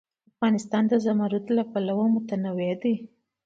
افغانستان د زمرد له پلوه متنوع دی.